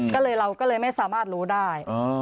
ก็เลยเราก็เลยไม่สามารถรู้ได้